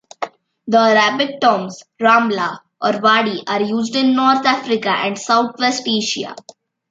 The Arabic terms rambla or wadi are used in North Africa and Southwest Asia.